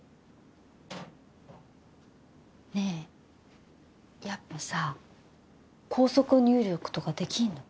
ねぇやっぱさぁ高速入力とかできんの？